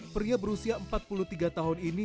pria berusia empat puluh tiga tahun ini